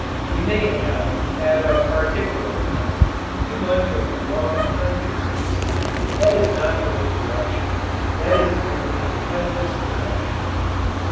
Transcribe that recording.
We may have, at a particular time, too much of the wrong kind of goods. That is not overproduction that is merely headless production.